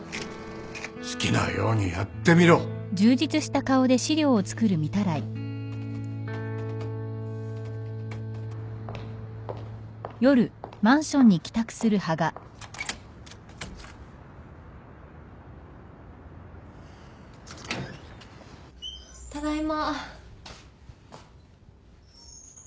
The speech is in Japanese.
好きなようにやってみろただいま。